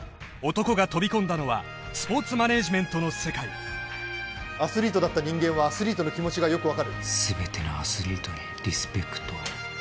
男が飛び込んだのはスポーツマネージメントの世界アスリートだった人間はアスリートの気持ちがよく分かる「すべてのアスリートにリスペクトを」